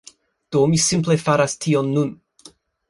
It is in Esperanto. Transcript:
Do, mi simple faras tion nun